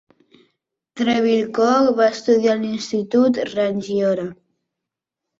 Trebilcock va estudiar a l'institut Rangiora.